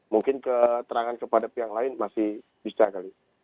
mungkin keterangan kepada pihak lain masih bisa kali